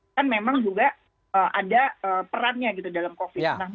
kan memang juga ada perannya dalam covid